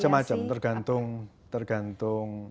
betul macam macam tergantung